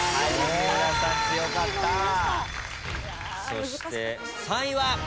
そして３位は。